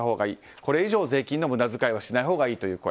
これ以上税金の無駄遣いはしないほうがいいという声